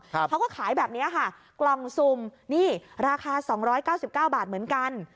เค้าก็ขายแบบนี้ค่ะกล่องซุมราคา๒๙๙บาทเหมือนกัน